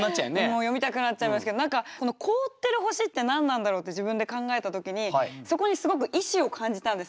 もう読みたくなっちゃいますけど何かこの「凍ってる星」って何なんだろうって自分で考えた時にそこにすごく意志を感じたんですね。